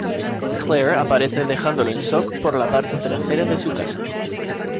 Claire aparece dejándolo en shock por la parte trasera de su casa.